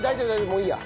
もういいや。